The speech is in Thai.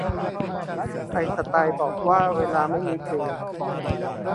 ไอน์สไตน์บอกว่าเวลาไม่มีจริง